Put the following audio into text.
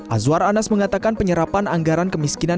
azwar anas mengatakan penyerapan anggaran kemiskinan